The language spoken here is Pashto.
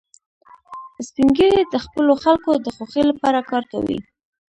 سپین ږیری د خپلو خلکو د خوښۍ لپاره کار کوي